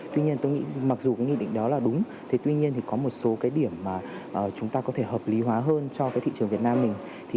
tuy nhiên tôi nghĩ mặc dù cái nghị định đó là đúng tuy nhiên có một số cái điểm mà chúng ta có thể hợp lý hóa hơn cho thị trường việt nam mình